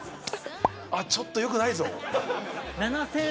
ちょっとよくないぞ。